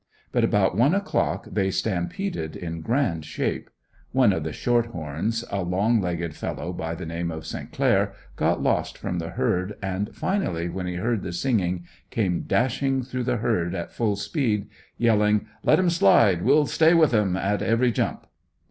But about one o'clock they stampeded in grand shape. One of the "short horns," a long legged fellow by the name of Saint Clair got lost from the herd and finally when he heard the singing came dashing through the herd at full speed yelling "let 'em slide, we'll stay with'em!" at every jump.